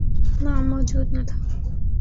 نام موجود نہ تھا۔